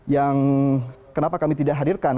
yang kenapa kami tidak hadirkan